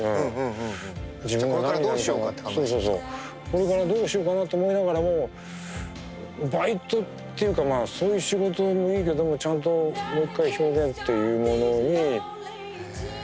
これからどうしようかなと思いながらもバイトっていうかそういう仕事もいいけどもちゃんともう一回表現っていうものに戻りたいなと。